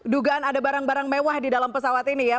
dugaan ada barang barang mewah di dalam pesawat ini ya